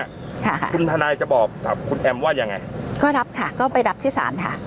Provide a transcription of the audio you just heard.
ค่ะคุณทนายจะบอกครับคุณแอมว่ายังไงก็รับค่ะก็ไปรับที่ศาลค่ะ